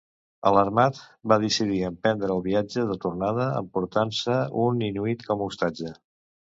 Alarmat, va decidir emprendre el viatge de tornada, emportant-se un inuit com a ostatge.